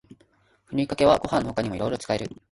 ふりかけはご飯の他にもいろいろ使える